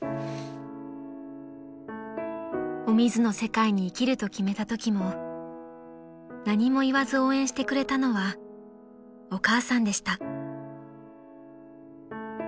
［お水の世界に生きると決めたときも何も言わず応援してくれたのはお母さんでした］